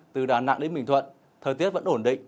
từ đà nẵng đến bình thuận thời tiết vẫn ổn định